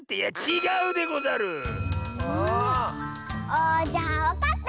あじゃあわかった！